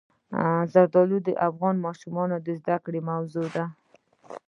زردالو د افغان ماشومانو د زده کړې موضوع ده.